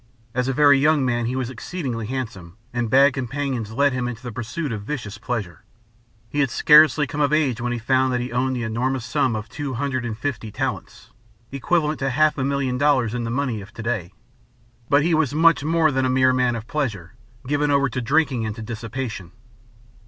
As a very young man he was exceedingly handsome, and bad companions led him into the pursuit of vicious pleasure. He had scarcely come of age when he found that he owed the enormous sum of two hundred and fifty talents, equivalent to half a million dollars in the money of to day. But he was much more than a mere man of pleasure, given over to drinking and to dissipation.